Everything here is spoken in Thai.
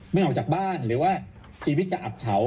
ไม่ออกจากบ้านหรือว่าชีวิตจะอับเฉา